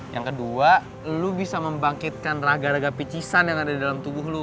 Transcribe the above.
yang kedua lu bisa membangkitkan raga raga picisan yang ada di dalam tubuh lo